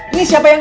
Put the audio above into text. ini siapa yang